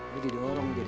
ini didorong jadi